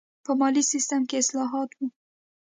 په مالي سیستم کې اصلاحات و.